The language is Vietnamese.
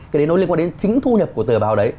cái đấy nó liên quan đến chính thu nhập của tờ báo đấy